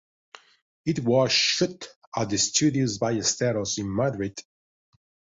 It was shot at the Estudios Ballesteros in Madrid.